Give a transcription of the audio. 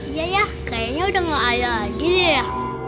iya ya kayaknya udah gak ada lagi ya